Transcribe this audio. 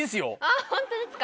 あっホントですか？